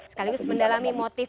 sekaligus mendalami motif